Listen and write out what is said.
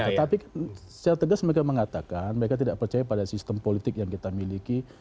tetapi secara tegas mereka mengatakan mereka tidak percaya pada sistem politik yang kita miliki